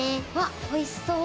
おいしそう！